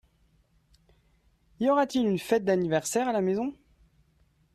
Y aura-t-il une fête d'aniverssaire à la maison ?